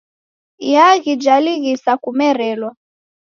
Iaghi jalighisa kumerelwa.